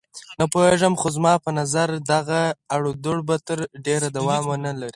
نه پوهېږم، خو زما په نظر دغه اړودوړ به تر ډېره دوام ونه کړي.